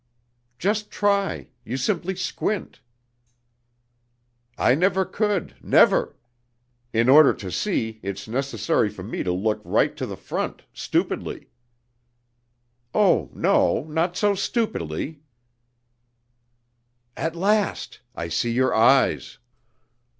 "Just try.... You simply squint." "I never could, never. In order to see it's necessary for me to look right to the front, stupidly." "Oh, no, not so stupidly!" "At last! I see your eyes."